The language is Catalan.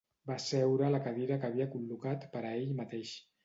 Va seure a la cadira que havia col·locat per a ell mateix.